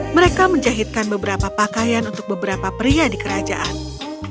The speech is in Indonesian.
mereka menjahitkan beberapa pakaian untuk beberapa pria di kerajaan